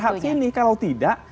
harus terhati ini kalau tidak